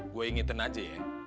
gue ingetin aja ya